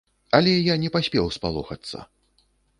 Але я не паспеў спалохацца.